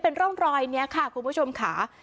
เป็นร่องรอยนี้ค่ะคุณผู้ชมค่ะ